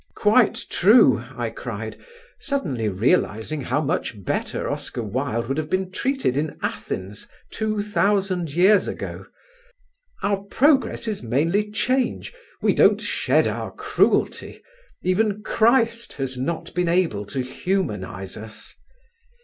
"Quite true," I cried, suddenly realising how much better Oscar Wilde would have been treated in Athens two thousand years ago. "Our progress is mainly change; we don't shed our cruelty; even Christ has not been able to humanise us."